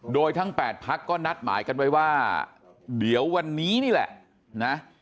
โดยทั้ง๘พักก็นัดหมายกันไว้ว่าเดี๋ยววันนี้นี่แหละนะ